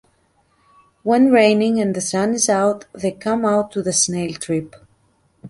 When raining and the sun is out, they come out to the snail trip.